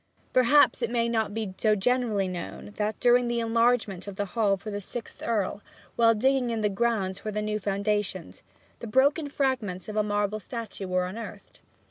Perhaps it may not be so generally known that, during the enlargement of the Hall for the sixth Earl, while digging in the grounds for the new foundations, the broken fragments of a marble statue were unearthed.